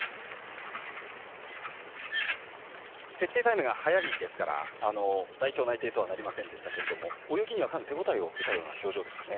設定タイムが早いですから代表内定とはなりませんでしたが泳ぎにはかなり手応えを得たような表情でしたね。